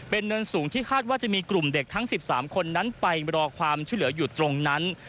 เป็นเนินสูงที่คาดว่าจะมีกลุ่มเด็กทั้ง๑๓คนนั้นไปรอความช่วยเหลืออยู่ตรงนั้น